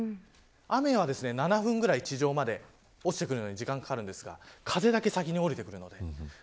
雨は７分くらい、地上まで落ちてくるのに時間がかかるんですが風だけ先に降りてくるので。